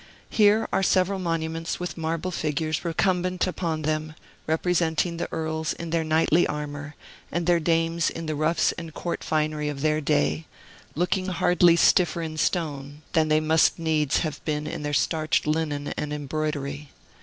Here are several monuments with marble figures recumbent upon them, representing the Earls in their knightly armor, and their dames in the ruffs and court finery of their day, looking hardly stiffer in stone than they must needs have been in their starched linen and embroidery.